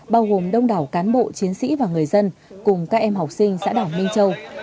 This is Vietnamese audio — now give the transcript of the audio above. bao gồm đông đảo cán bộ chiến sĩ và người dân cùng các em học sinh xã đảo minh châu